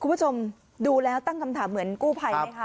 คุณผู้ชมดูแล้วตั้งคำถามเหมือนกู้ภัยไหมคะ